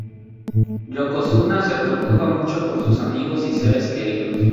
Yokozuna se preocupa mucho por sus amigos y seres queridos.